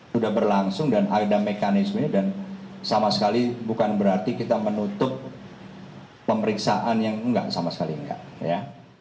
sudah berlangsung dan ada mekanismenya dan sama sekali bukan berarti kita menutup pemeriksaan yang enggak sama sekali enggak ya